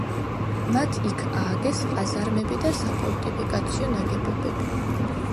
მათ იქ ააგეს ყაზარმები და საფორტიფიკაციო ნაგებობები.